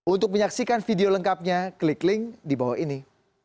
untuk menyaksikan video lengkapnya klik link di bawah ini